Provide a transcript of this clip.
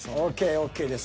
ＯＫです。